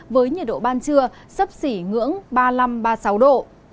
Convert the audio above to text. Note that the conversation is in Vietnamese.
với nhiệt độ ban trưa sấp xỉ ngưỡng ba mươi năm ba mươi sáu độ